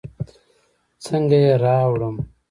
څنګه يې راوړم.